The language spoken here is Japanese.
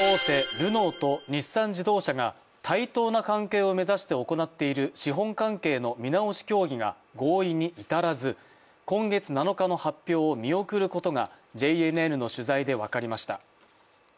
ルノーと日産自動車が対等な関係を目指して行っている資本関係の見直し協議が合意に至らず、今月７日の発表を見送ることがＪＮＮの取材で分かりました。